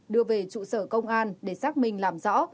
đưa về trụ sở công an để xác minh làm rõ